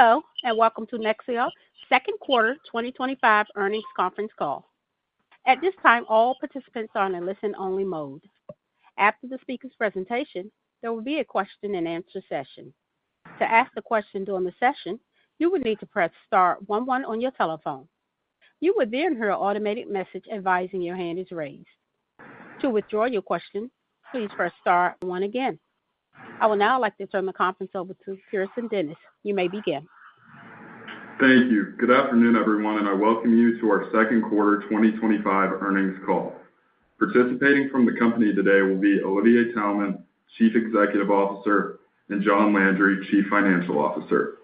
Hello, and welcome to Nyxoah's Second Quarter 2025 Earnings Conference Call. At this time, all participants are in a listen-only mode. After the speaker's presentation, there will be a question and answer session. To ask a question during the session, you will need to press star one one on your telephone. You will then hear an automated message advising your hand is raised. To withdraw your question, please press star one again. I will now like to turn the conference over to Pearson Dennis. You may begin. Thank you. Good afternoon, everyone, and I welcome you to our second quarter 2025 earnings call. Participating from the company today will be Olivier Taelman, Chief Executive Officer, and John Landry, Chief Financial Officer.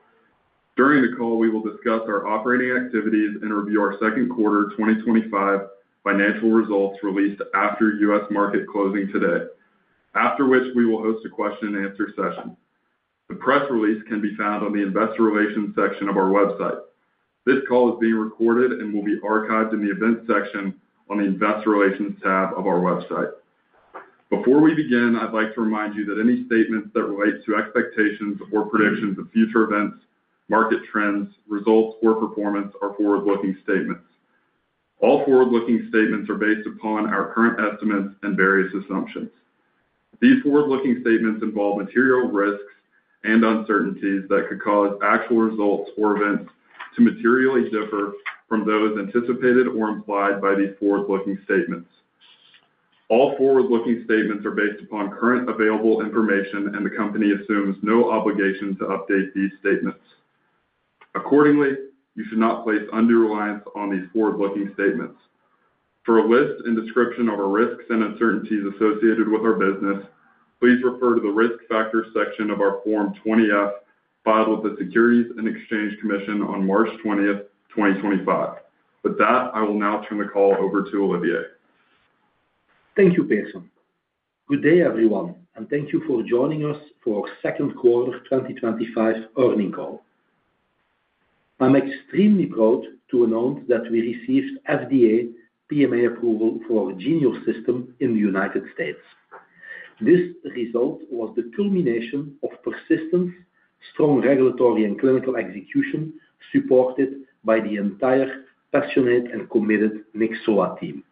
During the call, we will discuss our operating activities and review our second quarter 2025 financial results released after U.S. market closing today, after which we will host a question and answer session. The press release can be found on the Investor Relations section of our website. This call is being recorded and will be archived in the events section on the Investor Relations tab of our website. Before we begin, I'd like to remind you that any statements that relate to expectations or predictions of future events, market trends, results, or performance are forward-looking statements. All forward-looking statements are based upon our current estimates and various assumptions. These forward-looking statements involve material risks and uncertainties that could cause actual results or events to materially differ from those anticipated or implied by these forward-looking statements. All forward-looking statements are based upon current available information, and the company assumes no obligation to update these statements. Accordingly, you should not place undue reliance on these forward-looking statements. For a list and description of our risks and uncertainties associated with our business, please refer to the Risk Factors section of our Form 20-F filed with the Securities and Exchange Commission on March 20th, 2025. With that, I will now turn the call over to Olivier. Thank you, Pearson. Good day, everyone, and thank you for joining us for our Second Quarter 2025 Earnings Call. I'm extremely proud to announce that we received FDA PMA approval for our Genio system in the U.S. This result was the culmination of persistent, strong regulatory and clinical execution supported by the entire passionate and committed Nyxoah team.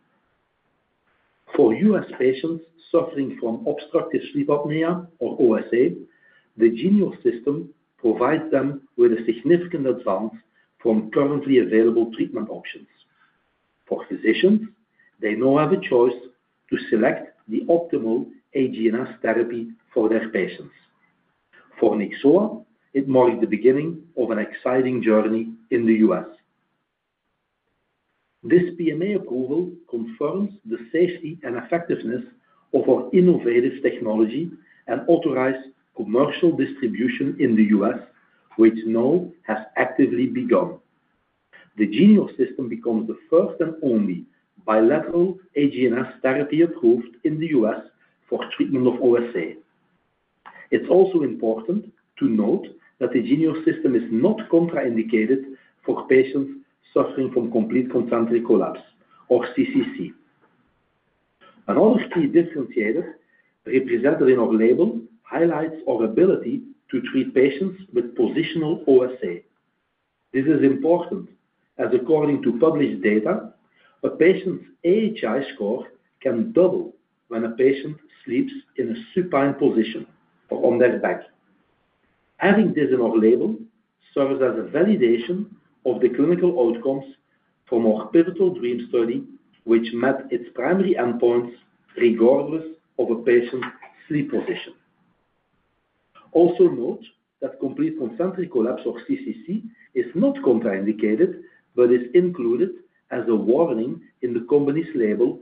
For U.S. patients suffering from obstructive sleep apnea or OSA, the Genio system provides them with a significant advantage from currently available treatment options. For physicians, they now have a choice to select the optimal AGNS therapy for their patients. For Nyxoah, it marks the beginning of an exciting journey in the U.S. This PMA approval confirms the safety and effectiveness of our innovative technology and authorized commercial distribution in the U.S., which now has actively begun. The Genio system becomes the first and only bilateral AGNS therapy approved in the U.S. for treatment of OSA. It's also important to note that the Genio system is not contraindicated for patients suffering from complete concentric collapse or CCC. Another key differentiator represented in our label highlights our ability to treat patients with positional OSA. This is important as, according to published data, a patient's AHI score can double when a patient sleeps in a supine position or on their back. Having this in our label serves as a validation of the clinical outcomes from our pivotal dream study, which met its primary endpoints regardless of a patient's sleep position. Also, note that complete concentric collapse or CCC is not contraindicated but is included as a warning in the company's label,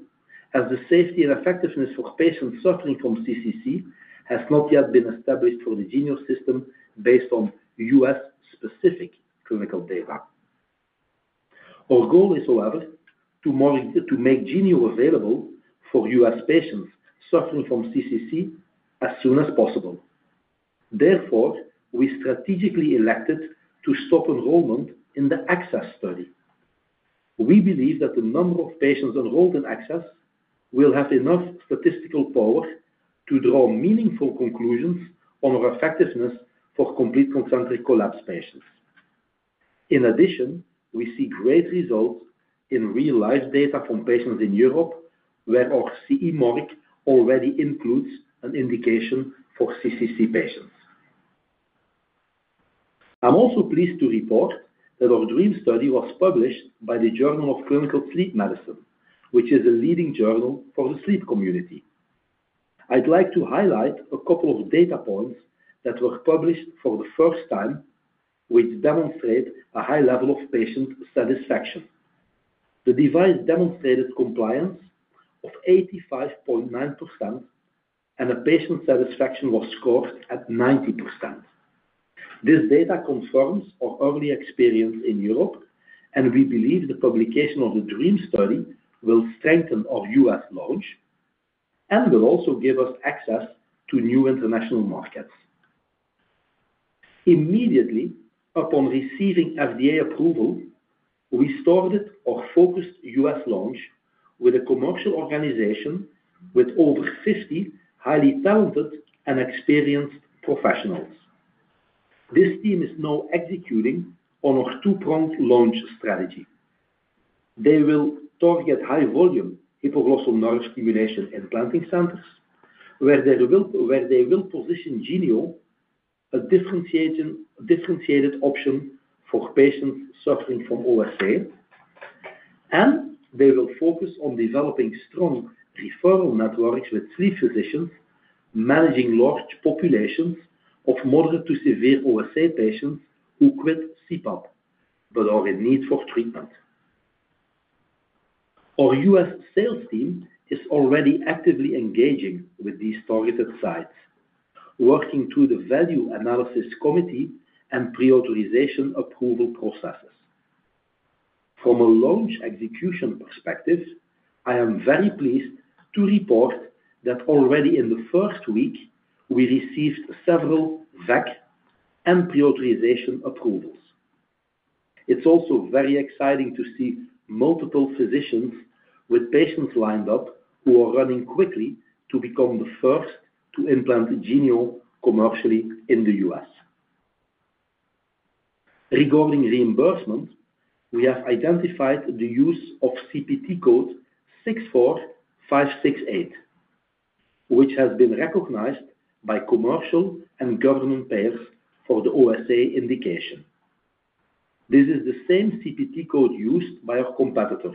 as the safety and effectiveness for patients suffering from CCC has not yet been established for the Genio system based on U.S.-specific clinical data. Our goal is, however, to make Genio available for U.S. patients suffering from CCC as soon as possible. Therefore, we strategically elected to stop enrollment in the ACCESS study. We believe that the number of patients enrolled in ACCESS will have enough statistical power to draw meaningful conclusions on our effectiveness for complete concentric collapse patients. In addition, we see great results in real-life data from patients in Europe, where our CE marker already includes an indication for CCC patients. I'm also pleased to report that our DREAM study was published by the Journal of Clinical Sleep Medicine, which is a leading journal for the sleep community. I'd like to highlight a couple of data points that were published for the first time, which demonstrate a high level of patient satisfaction. The device demonstrated compliance of 85.9%, and a patient satisfaction was scored at 90%. This data confirms our early experience in Europe, and we believe the publication of the DREAM study will strengthen our U.S. launch and will also give us access to new international markets. Immediately upon receiving FDA approval, we started our focused U.S. launch with a commercial organization with over 50 highly talented and experienced professionals. This team is now executing on our two-pronged launch strategy. They will target high-volume hypoglossal nerve stimulation implanting centers, where they will position Genio as a differentiated option for patients suffering from OSA, and they will focus on developing strong referral networks with sleep physicians managing large populations of moderate to severe OSA patients who quit CPAP but are in need for treatment. Our U.S. sales team is already actively engaging with these targeted sites, working through the value analysis committee and pre-authorization approval processes. From a launch execution perspective, I am very pleased to report that already in the first week, we received several VAC and pre-authorization approvals. It's also very exciting to see multiple physicians with patients lined up who are running quickly to become the first to implant Genio commercially in the U.S. Regarding reimbursement, we have identified the use of CPT code 64568, which has been recognized by commercial and government payers for the OSA indication. This is the same CPT code used by our competitor,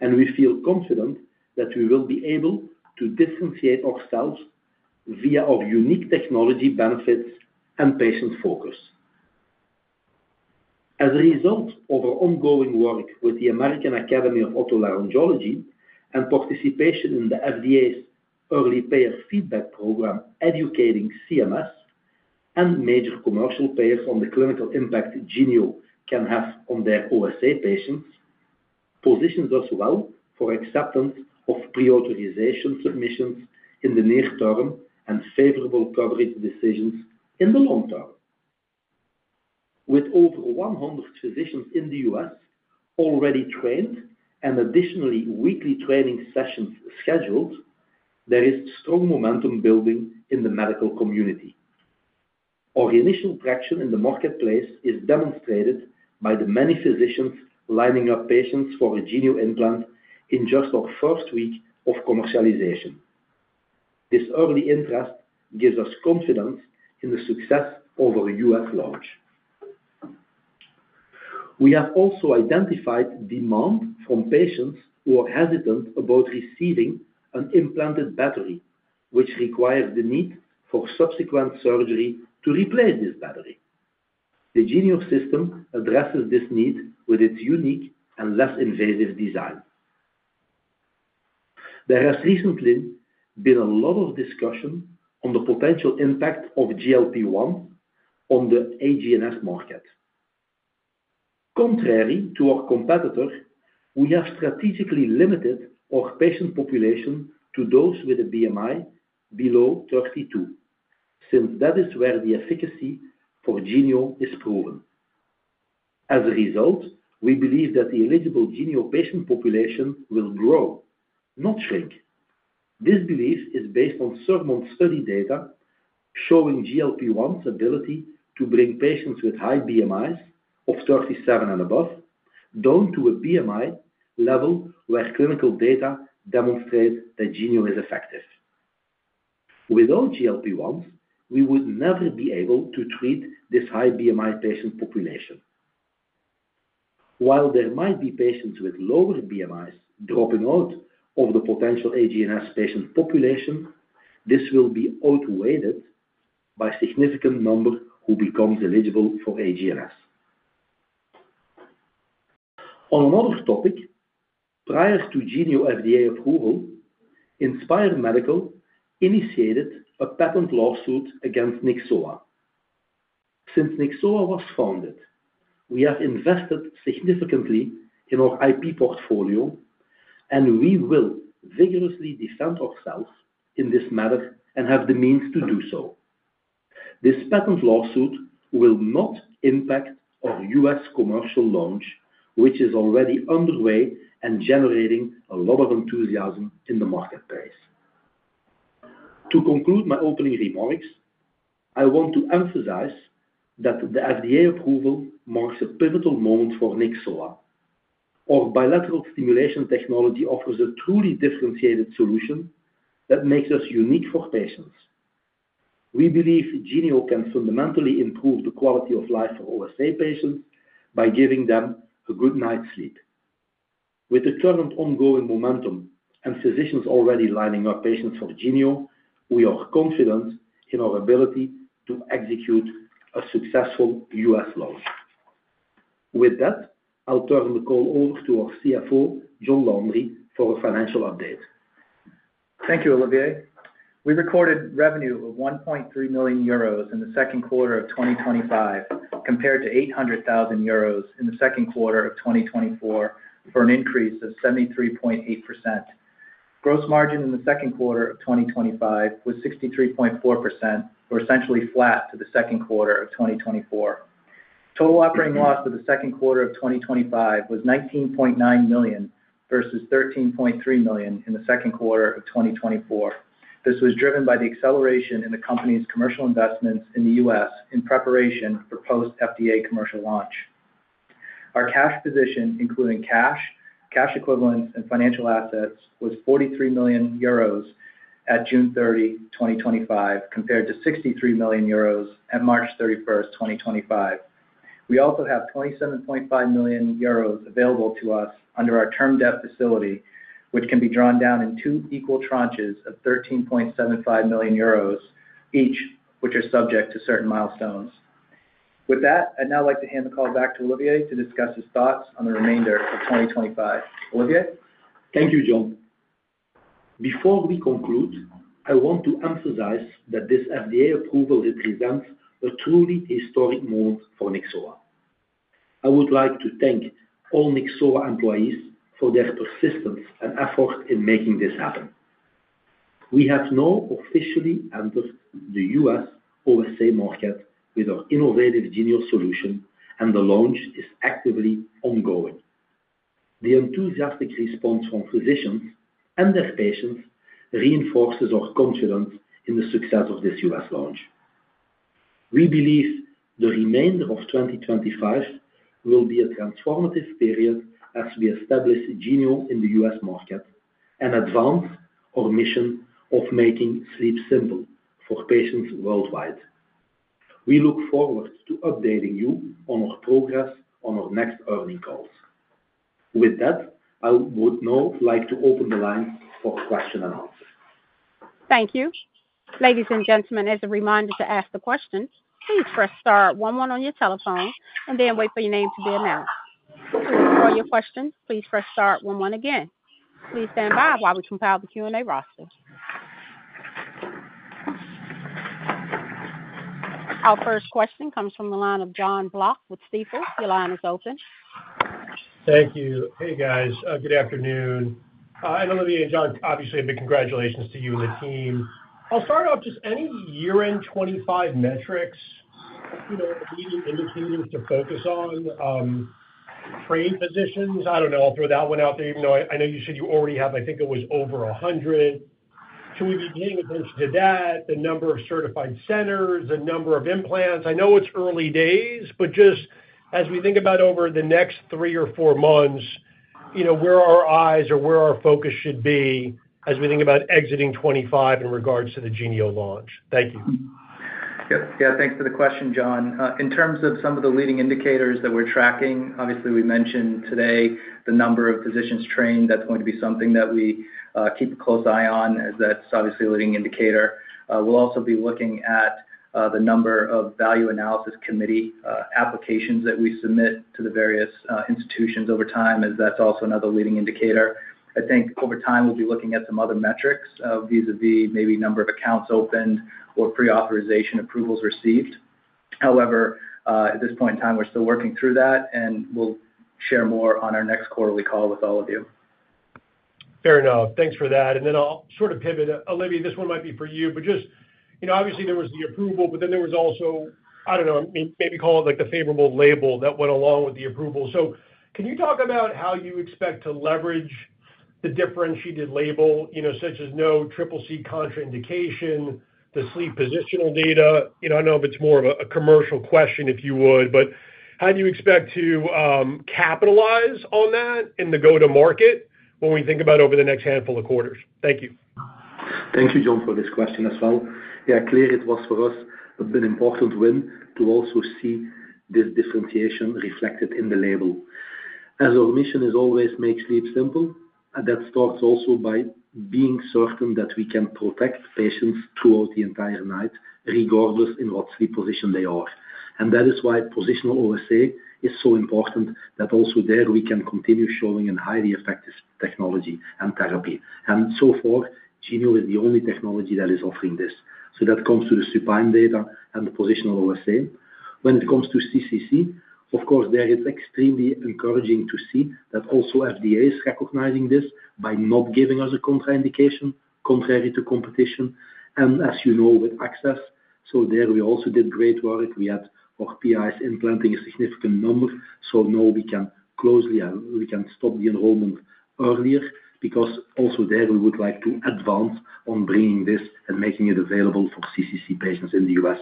and we feel confident that we will be able to differentiate ourselves via our unique technology benefits and patient focus. As a result of our ongoing work with the American Academy of Otolaryngology and participation in the FDA's Early Payer Feedback Program educating CMS and major commercial payers on the clinical impact GENEOS can have on their OSA patients, positions us well for acceptance of pre-authorization submissions in the near term and favorable coverage decisions in the long term. With over 100 physicians in the U.S. already trained and additional weekly training sessions scheduled, there is strong momentum building in the medical community. Our initial traction in the marketplace is demonstrated by the many physicians lining up patients for a Genio implant in just our first week of commercialization. This early interest gives us confidence in the success of our U.S. launch. We have also identified demand from patients who are hesitant about receiving an implanted battery, which requires the need for subsequent surgery to replace this battery. The Genio system addresses this need with its unique and less invasive design. There has recently been a lot of discussion on the potential impact of GLP-1 on the AGNS market. Contrary to our competitor, we have strategically limited our patient population to those with a BMI below 32, since that is where the efficacy for Genio is proven. As a result, we believe that the eligible Genio patient population will grow, not shrink. This belief is based on several study data showing GLP-1's ability to bring patients with high BMIs of 37 and above down to a BMI level where clinical data demonstrates that Genio is effective. Without GLP-1, we would never be able to treat this high BMI patient population. While there might be patients with lower BMIs dropping out of the potential AGNS patient population, this will be outweighed by a significant number who become eligible for AGNS. On another topic, prior to Genio FDA approval, Inspire Medical initiated a patent lawsuit against Nyxoah. Since Nyxoah was founded, we have invested significantly in our IP portfolio, and we will vigorously defend ourselves in this matter and have the means to do so. This patent lawsuit will not impact our U.S. commercial launch, which is already underway and generating a lot of enthusiasm in the marketplace. To conclude my opening remarks, I want to emphasize that the FDA approval marks a pivotal moment for Nyxoah. Our bilateral stimulation technology offers a truly differentiated solution that makes us unique for patients. We believe Genio can fundamentally improve the quality of life for OSA patients by giving them a good night's sleep. With the current ongoing momentum and physicians already lining up patients for Genio, we are confident in our ability to execute a successful U.S. launch. With that, I'll turn the call over to our CFO, John Landry, for a financial update. Thank you, Olivier. We recorded revenue of 1.3 million euros in the second quarter of 2025, compared to 800,000 euros in the second quarter of 2024, for an increase of 73.8%. Gross margin in the second quarter of 2025 was 63.4%, or essentially flat to the second quarter of 2024. Total operating loss for the second quarter of 2025 was 19.9 million versus 13.3 million in the second quarter of 2024. This was driven by the acceleration in the company's commercial investments in the U.S. in preparation for post-FDA commercial launch. Our cash position, including cash, cash equivalent, and financial assets, was 43 million euros at June 30, 2025, compared to 63 million euros at March 31, 2025. We also have 27.5 million euros available to us under our term-debt facility, which can be drawn down in two equal tranches of 13.75 million euros each, which are subject to certain milestones. With that, I'd now like to hand the call back to Olivier to discuss his thoughts on the remainder of 2025. Olivier? Thank you, John. Before we conclude, I want to emphasize that this FDA approval represents a truly historic move for Nyxoah. I would like to thank all Nyxoah employees for their persistence and effort in making this happen. We have now officially entered the U.S. OSA market with our innovative GENEOS solution, and the launch is actively ongoing. The enthusiastic response from physicians and their patients reinforces our confidence in the success of this U.S. launch. We believe the remainder of 2025 will be a transformative period as we establish Genio in the U.S. market and advance our mission of making sleep simple for patients worldwide. We look forward to updating you on our progress on our next earnings calls. With that, I would now like to open the line for question and answer. Thank you. Ladies and gentlemen, as a reminder, to ask questions, please press star one one on your telephone and then wait for your name to be announced. To withdraw your questions, please press star one one again. Please stand by while we compile the Q&A roster. Our first question comes from the line of John Block with Stifel. Your line is open. Thank you. Hey, guys. Good afternoon. Olivier and John, obviously, a big congratulations to you and the team. I'll start off just any year-end 2025 metrics, you know, industry needs to focus on. Trade positions, I don't know, I'll throw that one out there, even though I know you said you already have, I think it was over 100. Can we be paying attention to that? The number of certified centers, the number of implants. I know it's early days, but just as we think about over the next three or four months, you know, where our eyes or where our focus should be as we think about exiting 2025 in regards to the Genio launch. Thank you. Yeah, thanks for the question, John. In terms of some of the leading indicators that we're tracking, obviously, we mentioned today the number of physicians trained. That's going to be something that we keep a close eye on, as that's obviously a leading indicator. We'll also be looking at the number of value analysis committee applications that we submit to the various institutions over time, as that's also another leading indicator. I think over time, we'll be looking at some other metrics, vis-à-vis maybe the number of accounts opened or pre-authorization approvals received. However, at this point in time, we're still working through that, and we'll share more on our next quarterly call with all of you. Fair enough. Thanks for that. I'll sort of pivot. Olivier, this one might be for you, but just, you know, obviously, there was the approval, but then there was also, I don't know, maybe call it like the favorable label that went along with the approval. Can you talk about how you expect to leverage the differentiated label, you know, such as no CCC contraindication, the sleep positional data? I know if it's more of a commercial question, if you would, but how do you expect to capitalize on that in the go-to-market when we think about over the next handful of quarters? Thank you. Thank you, John, for this question as well. Yeah, clear, it was for us a bit important win to also see this differentiation reflected in the label. As our mission is always make sleep simple, and that starts also by being certain that we can protect patients throughout the entire night, regardless in what sleep position they are. That is why positional OSA is so important that also there we can continue showing a highly effective technology and therapy. So far, Genio is the only technology that is offering this. That comes to the supine data and the positional OSA. When it comes to CCC, of course, there it's extremely encouraging to see that also FDA is recognizing this by not giving us a contraindication contrary to competition. As you know, with ACCESS, there we also did great work. We had our PIs implanting a significant number. Now we can closely, we can stop the enrollment earlier because also there we would like to advance on bringing this and making it available for CCC patients in the U.S.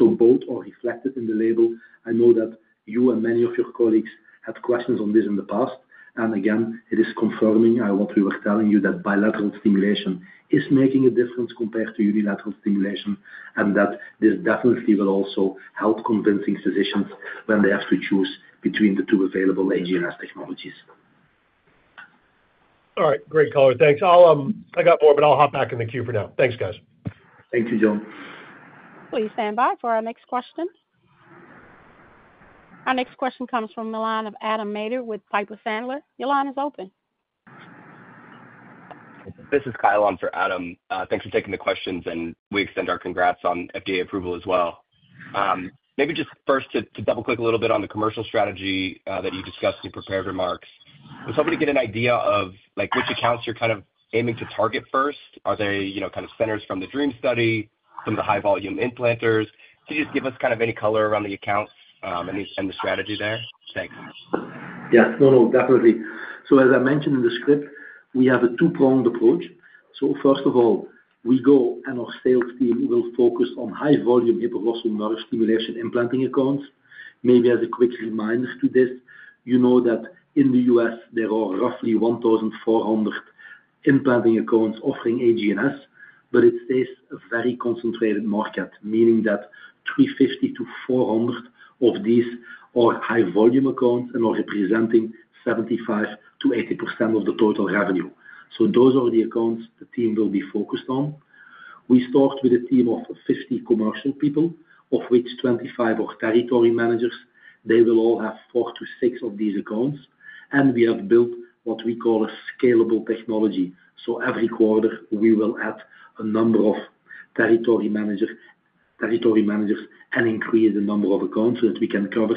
Both are reflected in the label. I know that you and many of your colleagues had questions on this in the past. Again, it is confirming what we were telling you, that bilateral stimulation is making a difference compared to unilateral stimulation and that this definitely will also help convincing physicians when they have to choose between the two available AGNS technologies. All right. Great caller. Thanks. I got more, but I'll hop back in the queue for now. Thanks, guys. Thank you, John. Please stand by for our next question. Our next question comes from the line of Adam Mater with Piper Sandler. Your line is open. This is Kyle on for Adam. Thanks for taking the questions, and we extend our congrats on FDA approval as well. Maybe just first to double-click a little bit on the commercial strategy that you discussed in your prepared remarks. I was hoping to get an idea of like which accounts you're kind of aiming to target first. Are they, you know, kind of centers from the DREAM pivotal study, some of the high-volume implanters? Could you just give us kind of any color around the accounts and the strategy there? Thanks. Yeah. No, no, definitely. As I mentioned in the script, we have a two-pronged approach. First of all, we go and our sales team will focus on high-volume hypoglossal nerve stimulation implanting accounts. Maybe as a quick reminder to this, you know that in the U.S., there are roughly 1,400 implanting accounts offering AGNS, but it stays a very concentrated market, meaning that 350-400 of these are high-volume accounts and are representing 75%-80% of the total revenue. Those are the accounts the team will be focused on. We start with a team of 50 commercial people, of which 25 are territory managers. They will all have four to six of these accounts. We have built what we call a scalable technology. Every quarter, we will add a number of territory managers and increase the number of accounts so that we can cover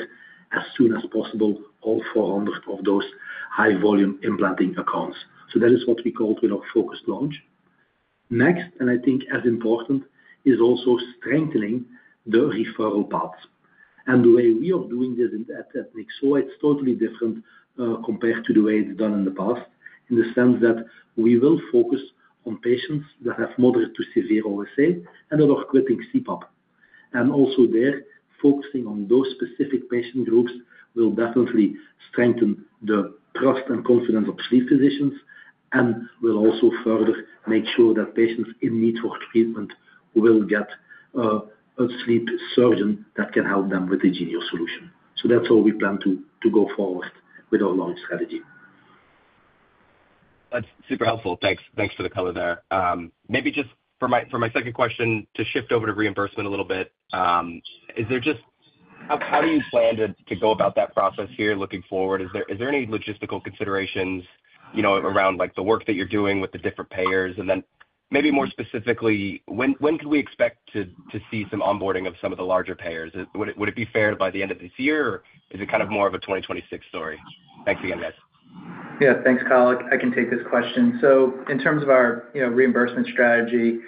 as soon as possible all 400 of those high-volume implanting accounts. That is what we call our focused launch. Next, and I think as important, is also strengthening the referral paths. The way we are doing this at Nyxoah, it's totally different compared to the way it's done in the past in the sense that we will focus on patients that have moderate to severe OSA and that are quitting CPAP. Also, focusing on those specific patient groups will definitely strengthen the trust and confidence of sleep physicians and will also further make sure that patients in need for treatment will get a sleep surgeon that can help them with the Genio solution. That's how we plan to go forward with our launch strategy. That's super helpful. Thanks. Thanks for the color there. Maybe just for my second question, to shift over to reimbursement a little bit, how do you plan to go about that process here looking forward? Is there any logistical considerations around the work that you're doing with the different payers? More specifically, when can we expect to see some onboarding of some of the larger payers? Would it be fair by the end of this year, or is it kind of more of a 2026 story? Thanks again, guys. Yeah, thanks, Kyle. I can take this question. In terms of our reimbursement strategy,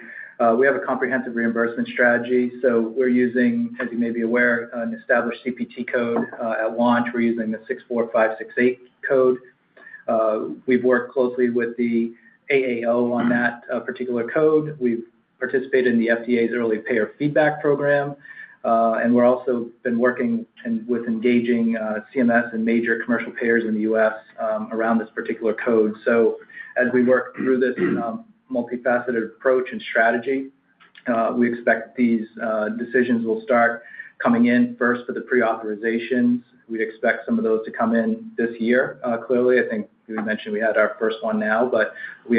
we have a comprehensive reimbursement strategy. We're using, as you may be aware, an established CPT code. At launch, we're using the 64568 code. We've worked closely with the AAO on that particular code. We've participated in the FDA's Early Payer Feedback Program. We've also been working with engaging CMS and major commercial payers in the U.S. around this particular code. As we work through this multifaceted approach and strategy, we expect these decisions will start coming in first for the pre-authorizations. We'd expect some of those to come in this year, clearly. I think we mentioned we had our first one now, but we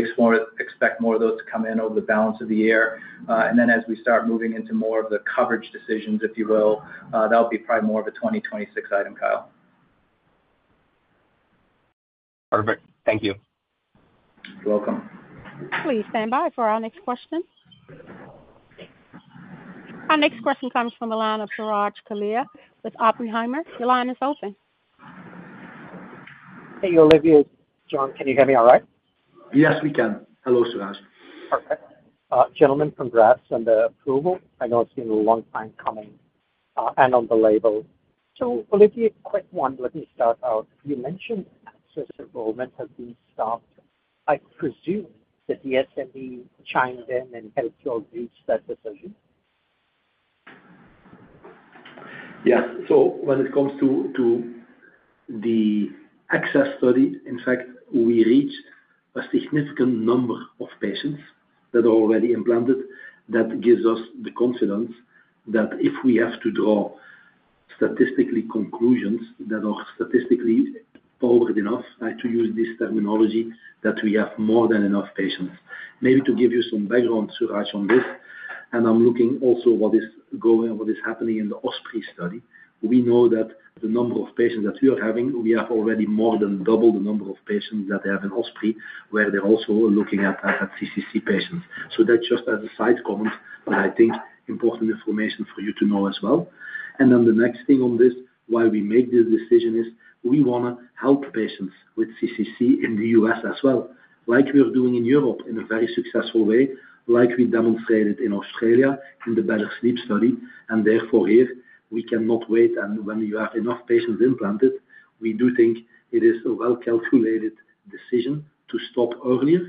expect more of those to come in over the balance of the year. As we start moving into more of the coverage decisions, if you will, that'll be probably more of a 2026 item, Kyle. Perfect. Thank you. You're welcome. Please stand by for our next question. Our next question comes from the line of Suraj Kalia with Oppenheimer. Your line is open. Hey, Olivier, John. Can you hear me all right? Yes, we can. Hello, Suraj. Perfect. Gentlemen, congrats on the approval. I know it's been a long time coming and on the label. Olivier, a quick one. Let me start out. You mentioned ACCESS enrollment has been stopped. I presume the DSME chimed in and helped you all reach that decision? Yes. When it comes to the ACCESS study, in fact, we reach a significant number of patients that are already implanted. That gives us the confidence that if we have to draw statistically conclusions that are statistically powered enough, I like to use this terminology, that we have more than enough patients. Maybe to give you some background, Suraj, on this, and I'm looking also at what is going on, what is happening in the Osprey study. We know that the number of patients that we are having, we have already more than doubled the number of patients that have an Osprey, where they're also looking at CCC patients. That's just as a side comment, but I think important information for you to know as well. The next thing on this, why we made this decision is we want to help patients with CCC in the U.S. as well, like we're doing in Europe in a very successful way, like we demonstrated in Australia in the Better Sleep study. Therefore, here, we cannot wait. When you have enough patients implanted, we do think it is a well-calculated decision to stop earlier,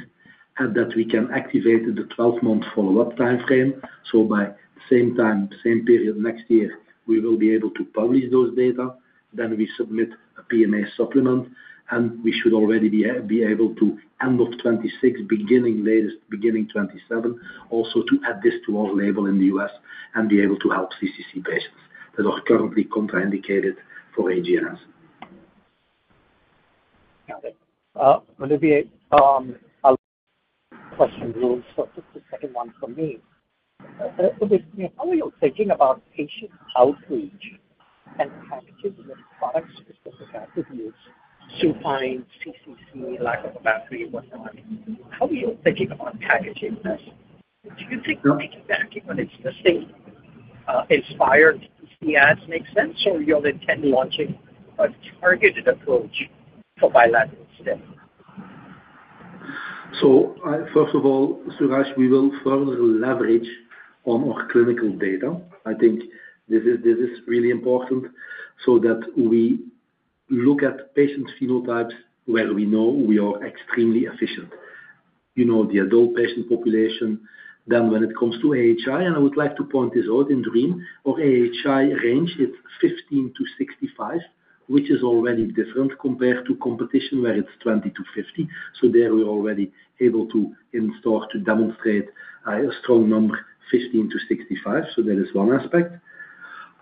and that we can activate the 12-month follow-up timeframe. By the same time, same period next year, we will be able to publish those data. Then we submit a PMA supplement, and we should already be able to, end of 2026, beginning 2027, also to add this to our label in the U.S. and be able to help CCC patients that are currently contraindicated for AGNS. Got it. Olivier, I'll question rules. Just the second one from me. Olivier, how are you thinking about patient outreach and practice in the products specifically to find CCC, lack of battery, whatnot? How are you thinking about targeting this? Do you think launching that, given it's the same Inspire DS, makes sense, or are you intending on launching a targeted approach for bilateral stimulus? First of all, Suraj, we will further leverage on our clinical data. I think this is really important so that we look at patient phenotypes where we know we are extremely efficient, you know, the adult patient population. When it comes to AHI, and I would like to point this out in DREAM, our AHI range is 15-65, which is already different compared to competition where it's 20-50. We are already able to start to demonstrate a strong number, 15-65. That is one aspect.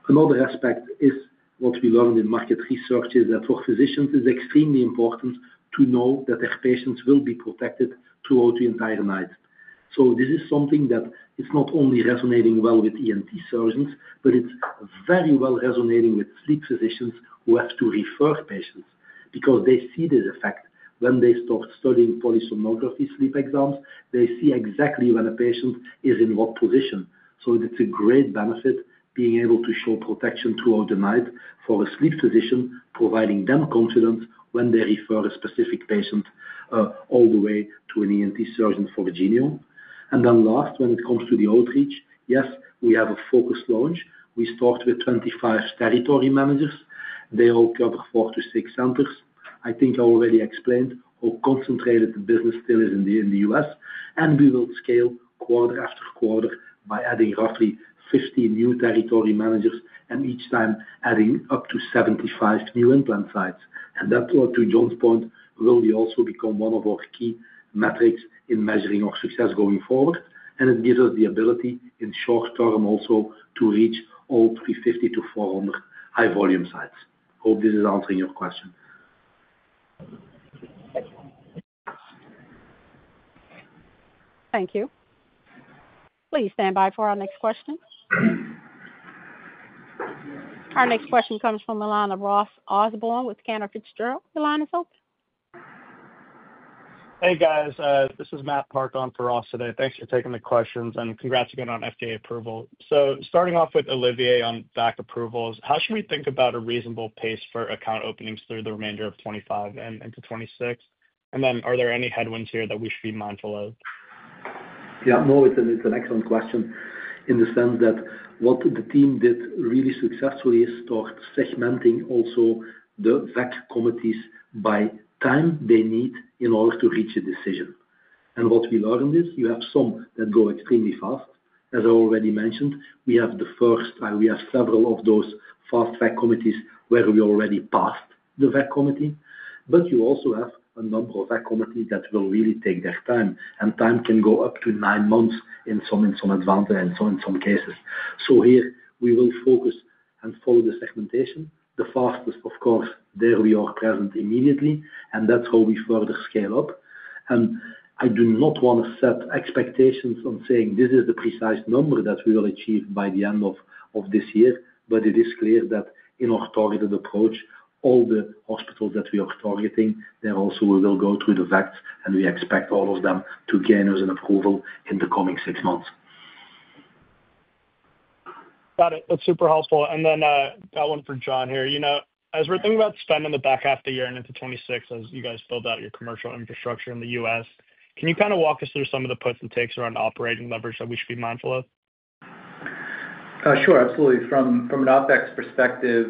Another aspect is what we learned in market research is that for physicians, it's extremely important to know that their patients will be protected throughout the entire night. This is something that is not only resonating well with ENT surgeons, but it's very well resonating with sleep physicians who have to refer patients because they see this effect. When they start studying polysomnography sleep exams, they see exactly when a patient is in what position. It's a great benefit being able to show protection throughout the night for a sleep physician, providing them confidence when they refer a specific patient all the way to an ENT surgeon for a Genio. Last, when it comes to the outreach, yes, we have a focused launch. We start with 25 territory managers. They all cover four to six centers. I think I already explained how concentrated the business still is in the U.S., and we will scale quarter after quarter by adding roughly 50 new territory managers and each time adding up to 75 new implant sites. That, to John's point, will also become one of our key metrics in measuring our success going forward. It gives us the ability in short term also to reach all 350-400 high-volume sites. I hope this is answering your question. Thank you. Please stand by for our next question. Our next question comes from the line of Ross Osborn with Cantor Fitzgerald. Your line is open. Hey, guys. This is Matt Park on for Ross today. Thanks for taking the questions and congrats again on FDA approval. Starting off with Olivier on VAC approvals, how should we think about a reasonable pace for account openings through the remainder of 2025 and into 2026? Are there any headwinds here that we should be mindful of? Yeah, Matt, it's an excellent question in the sense that what the team did really successfully is start segmenting also the VAC committees by time they need in order to reach a decision. What we learned is you have some that go extremely fast. As I already mentioned, we have the first, we have several of those fast VAC committees where we already passed the VAC committee. You also have a number of VAC committees that will really take their time, and time can go up to nine months in some cases. Here, we will focus and follow the segmentation. The fastest, of course, there we are present immediately, and that's how we further scale up. I do not want to set expectations on saying this is the precise number that we will achieve by the end of this year, but it is clear that in our targeted approach, all the hospitals that we are targeting, they also will go through the VACs, and we expect all of them to gain us an approval in the coming six months. Got it. That's super helpful. That one for John here. You know, as we're thinking about spending the back half of the year and into 2026, as you guys build out your commercial infrastructure in the U.S., can you kind of walk us through some of the puts and takes around operating leverage that we should be mindful of? Sure. Absolutely. From an OpEx perspective,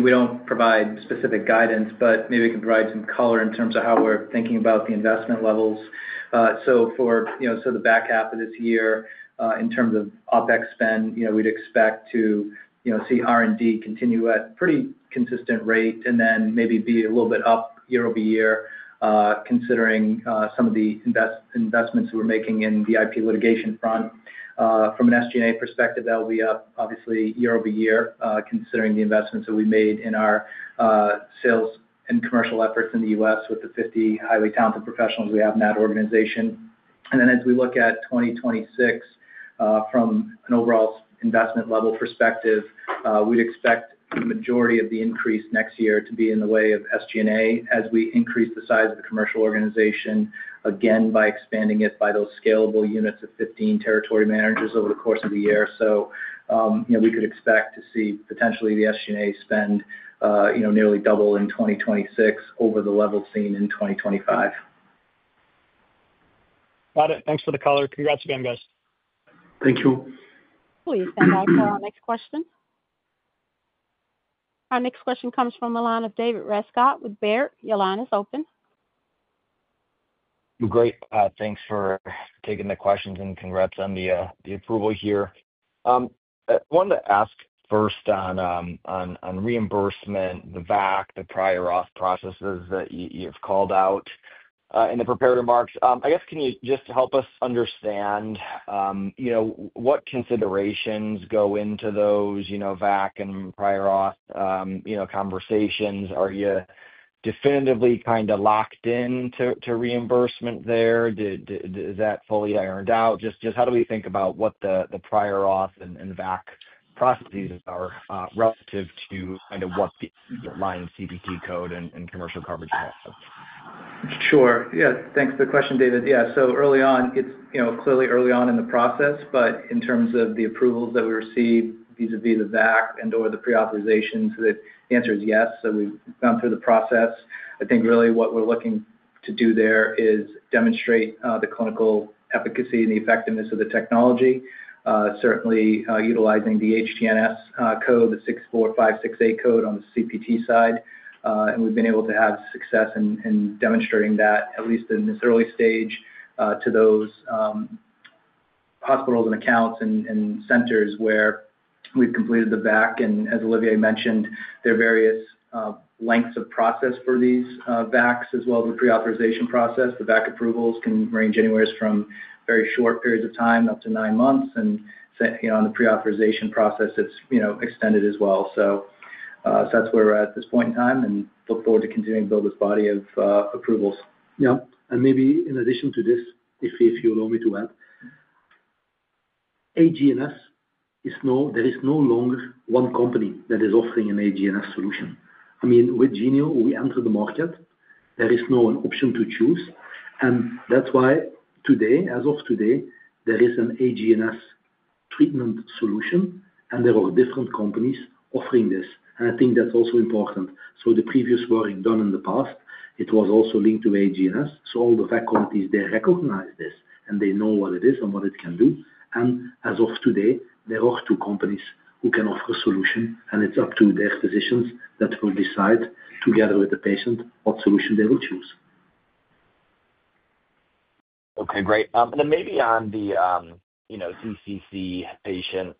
we don't provide specific guidance, but maybe we can provide some color in terms of how we're thinking about the investment levels. For the back half of this year, in terms of OpEx spend, we'd expect to see R&D continue at a pretty consistent rate and then maybe be a little bit up year-over-year, considering some of the investments that we're making in the IP litigation front. From an SG&A perspective, that will be up, obviously, year-over-year, considering the investments that we've made in our sales and commercial efforts in the U.S. with the 50 highly talented professionals we have in that organization. As we look at 2026, from an overall investment level perspective, we'd expect the majority of the increase next year to be in the way of SG&A as we increase the size of the commercial organization again by expanding it by those scalable units of 15 territory managers over the course of the year. We could expect to see potentially the SG&A spend nearly double in 2026 over the level seen in 2025. Got it. Thanks for the color. Congrats again, guys. Thank you. Please stand by for our next question. Our next question comes from the line of David Rescott with Baird. Your line is open. Great. Thanks for taking the questions and congrats on the approval here. I wanted to ask first on reimbursement, the VAC, the prior auth processes that you've called out in the prepared remarks. I guess, can you just help us understand what considerations go into those VAC and prior auth conversations. Are you definitively kind of locked into reimbursement there? Is that fully ironed out? Just how do we think about what the prior auth and VAC processes are relative to what the line CPT code and commercial coverage has? Sure. Yeah. Thanks for the question, David. Yeah. Early on, it's clearly early on in the process, but in terms of the approvals that we receive vis-à-vis the VAC and/or the pre-authorizations, the answer is yes. We've gone through the process. I think really what we're looking to do there is demonstrate the clinical efficacy and the effectiveness of the technology, certainly utilizing the HGNS code, the 64568 code on the CPT side. We've been able to have success in demonstrating that, at least in this early stage, to those hospitals and accounts and centers where we've completed the VAC. As Olivier mentioned, there are various lengths of process for these VACs as well as the pre-authorization process. The VAC approvals can range anywhere from very short periods of time up to nine months. In the pre-authorization process, it's extended as well. That's where we're at at this point in time and look forward to continuing to build this body of approvals. Yeah. Maybe in addition to this, if you allow me to add, AGNS, there is no longer one company that is offering an AGNS solution. I mean, with Genio, we entered the market. There is now an option to choose. That is why today, as of today, there is an AGNS treatment solution, and there are different companies offering this. I think that's also important. The previous work done in the past was also linked to AGNS. All the VAC quantities recognize this, and they know what it is and what it can do. As of today, there are two companies who can offer a solution, and it's up to their physicians that will decide together with the patient what solution they will choose. Okay. Great. Maybe on the CCC patient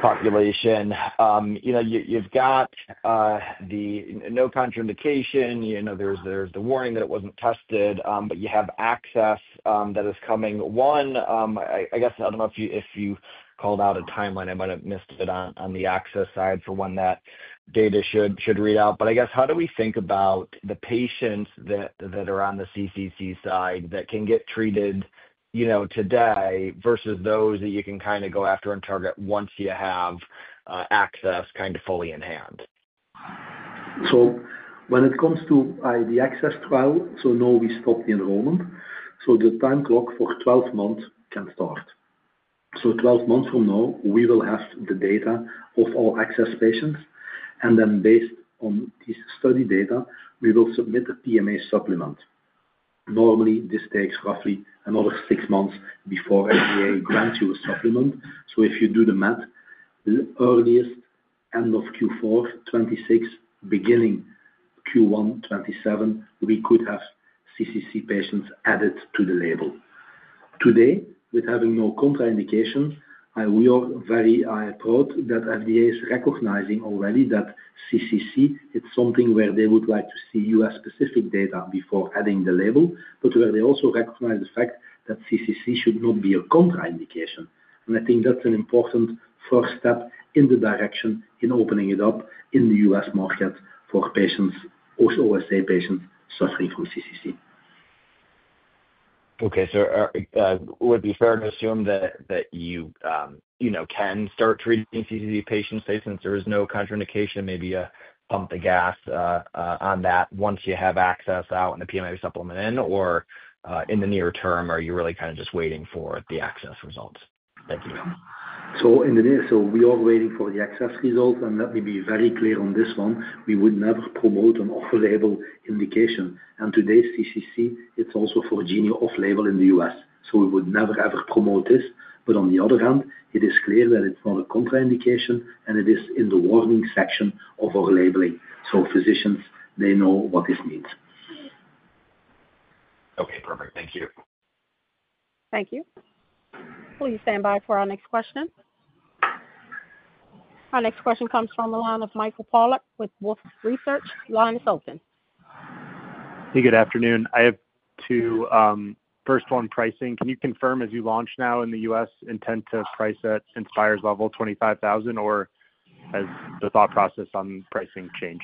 population, you know, you've got the no contraindication. There's the warning that it wasn't tested, but you have ACCESS that is coming. I guess I don't know if you called out a timeline. I might have missed it on the ACCESS side for when that data should read out. How do we think about the patients that are on the CCC side that can get treated today versus those that you can kind of go after and target once you have ACCESS fully in hand? When it comes to the ACCESS study, we stopped the enrollment. The time clock for 12 months can start. Twelve months from now, we will have the data of all ACCESS patients. Based on this study data, we will submit a PMA supplement. Normally, this takes roughly another six months before they grant you a supplement. If you do the math, the earliest end of Q4 2026, beginning Q1 2027, we could have CCC patients added to the label. Today, with having no contraindication, we are very proud that FDA is recognizing already that CCC is something where they would like to see U.S.-specific data before adding the label, but where they also recognize the fact that CCC should not be a contraindication. I think that's an important first step in the direction in opening it up in the U.S. market for patients, OSA patients suffering from CCC. Okay. Would it be fair to assume that you can start treating CCC patients since there is no contraindication and maybe pump the gas on that once you have ACCESS out and the PMA supplement in, or in the near term, are you really kind of just waiting for the ACCESS results? Thank you. In the near term, we are waiting for the ACCESS results. Let me be very clear on this one. We would never promote an off-label indication. Today's CCC, it's also for Genio off-label in the U.S. We would never, ever promote this. On the other hand, it is clear that it's not a contraindication, and it is in the warning section of our labeling. Physicians know what this means. Okay. Perfect. Thank you. Thank you. Please stand by for our next question. Our next question comes from the line of Michael Pollock with Wolfe Research. Line is open. Hey, good afternoon. I have two. First one, pricing. Can you confirm, as you launch now in the U.S., intent to price at Inspire's level, $25,000, or has the thought process on pricing changed?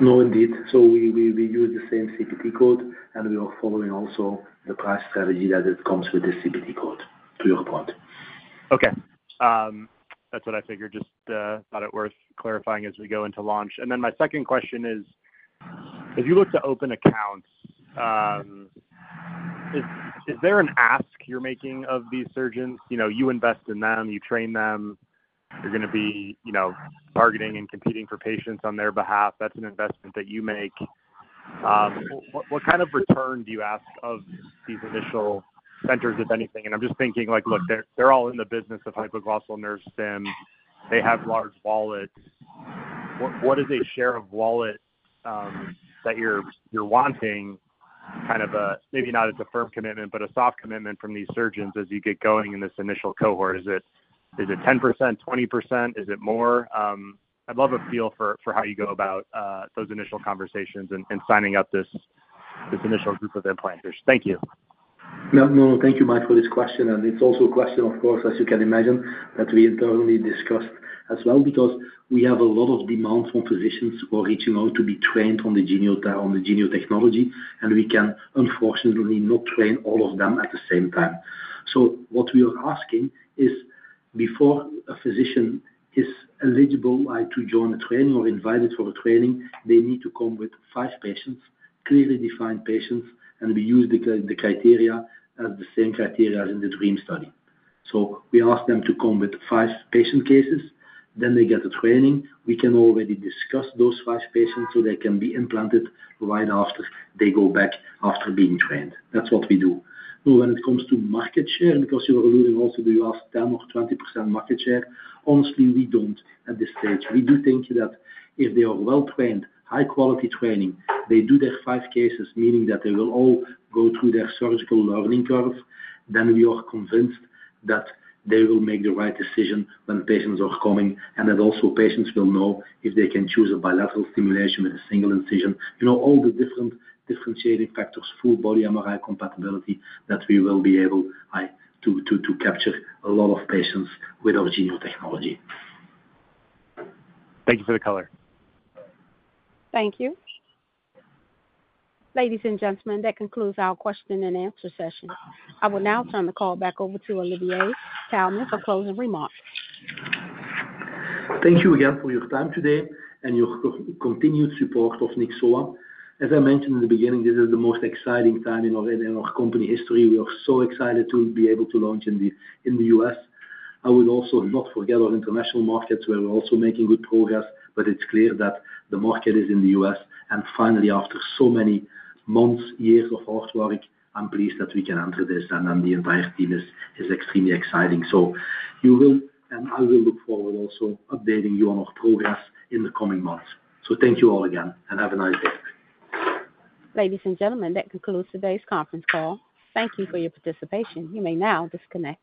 No, indeed. We use the same CPT code, and we are following also the price strategy that comes with the CPT code to your point. Okay. That's what I figured. Just thought it worth clarifying as we go into launch. My second question is, as you look to open accounts, is there an ask you're making of these surgeons? You invest in them. You train them. They're going to be, you know, bargaining and competing for patients on their behalf. That's an investment that you make. What kind of return do you ask of these initial centers, if anything? I'm just thinking like, look, they're all in the business of hypoglossal nerve stim. They have large wallets. What is a share of wallet that you're wanting? Kind of a maybe not a firm commitment, but a soft commitment from these surgeons as you get going in this initial cohort. Is it 10%, 20%? Is it more? I'd love a feel for how you go about those initial conversations and signing up this initial group of implanters. Thank you. No, no, no. Thank you, Mike, for this question. It's also a question, of course, as you can imagine, that we internally discussed as well because we have a lot of demand from physicians who are reaching out to be trained on the Genio system, and we can, unfortunately, not train all of them at the same time. What we are asking is, before a physician is eligible to join a training or invited for a training, they need to come with five patients, clearly defined patients, and we use the criteria as the same criteria as in the DREAM study. We ask them to come with five patient cases. Then they get a training. We can already discuss those five patients so they can be implanted right after they go back after being trained. That's what we do. When it comes to market share, because you were alluding also, do you ask 10% or 20% market share? Honestly, we don't at this stage. We do think that if they are well trained, high-quality training, they do their five cases, meaning that they will all go through their surgical learning curve, we are convinced that they will make the right decision when patients are coming. Patients will know if they can choose a bilateral stimulation with a single incision. You know, all the different differentiating factors, full body MRI compatibility, that we will be able to capture a lot of patients with our Genio technology. Thank you for the color. Thank you. Ladies and gentlemen, that concludes our question and answer session. I will now turn the call back over to Olivier Taelman for closing remarks. Thank you again for your time today and your continued support of Nyxoah. As I mentioned in the beginning, this is the most exciting time in our company history. We are so excited to be able to launch in the U.S. I would also not forget our international markets where we're also making good progress, but it's clear that the market is in the U.S. Finally, after so many months, years of hard work, I'm pleased that we can enter this, and the entire team is extremely excited. You will, and I will look forward also to updating you on our progress in the coming months. Thank you all again, and have a nice day. Ladies and gentlemen, that concludes today's conference call. Thank you for your participation. You may now disconnect.